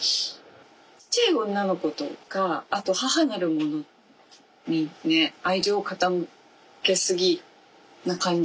ちっちゃい女の子とかあと母なるものにね愛情を傾けすぎな感じ。